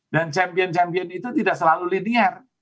dan champion champion itu tidak selalu linier